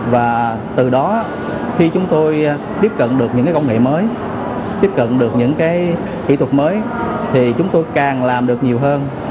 và từ đó khi chúng tôi tiếp cận được những công nghệ mới tiếp cận được những kỹ thuật mới thì chúng tôi càng làm được nhiều hơn